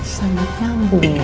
sangat nyambung ya